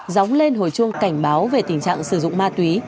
dóng lên hồi chuông cảnh báo về tình trạng sử dụng ma túy